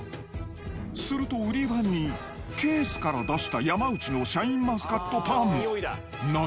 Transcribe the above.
すると、売り場にケースから出した山内のシャインマスカットパン。